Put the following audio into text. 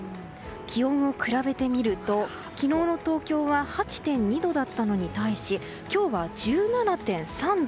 気温を比べてみると昨日の東京は８．２度だったのに対し今日は１７．３度。